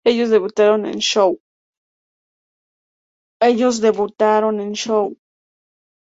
Ellos debutaron en "Show!